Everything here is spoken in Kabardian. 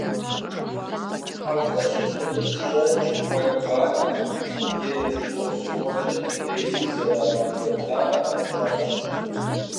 ХьэщӀэщым дыкъыщыщӏэкӏым, уэлбанэм и щхьэусыгъуэкӏэ ди рейсыр зэрагъэкӏуэтар къэтщӀащ.